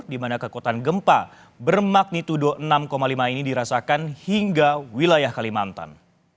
di mana kekuatan gempa bermagnitudo enam lima ini dirasakan hingga wilayah kalimantan